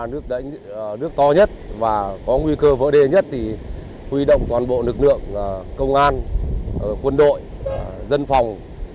nước đáy là nước to nhất và có nguy cơ vỡ đê nhất thì huy động toàn bộ lực lượng công an quân đội dân phòng